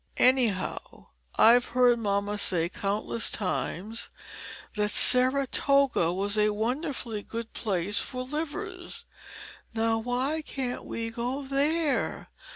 "Anyhow, I've heard mamma say countless times that Saratoga was a wonderfully good place for livers; now why can't we go there?